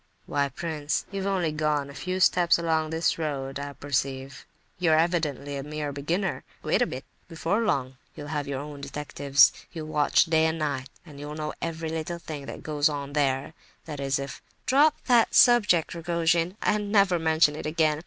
"Why, prince, you've only gone a few steps along this road, I perceive. You are evidently a mere beginner. Wait a bit! Before long, you'll have your own detectives, you'll watch day and night, and you'll know every little thing that goes on there—that is, if—" "Drop that subject, Rogojin, and never mention it again.